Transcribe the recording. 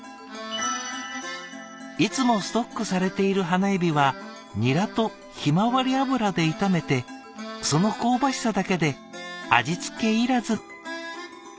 「いつもストックされている花えびはニラとひまわり油で炒めてその香ばしさだけで味付けいらず」。